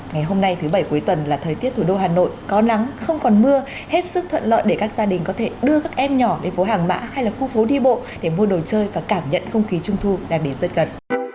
ngày hôm nay thứ bảy cuối tuần là thời tiết thủ đô hà nội có nắng không còn mưa hết sức thuận lợi để các gia đình có thể đưa các em nhỏ lên phố hàng mã hay là khu phố đi bộ để mua đồ chơi và cảm nhận không khí trung thu đang đến rất gần